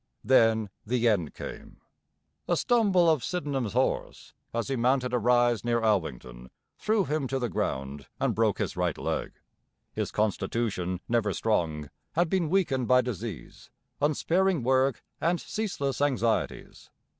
Then the end came. A stumble of Sydenham's horse as he mounted a rise near 'Alwington' threw him to the ground and broke his right leg. His constitution, never strong, had been weakened by disease, unsparing work, and ceaseless anxieties.